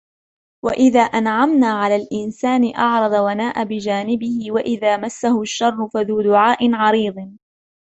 وَإِذَا أَنْعَمْنَا عَلَى الْإِنْسَانِ أَعْرَضَ وَنَأَى بِجَانِبِهِ وَإِذَا مَسَّهُ الشَّرُّ فَذُو دُعَاءٍ عَرِيضٍ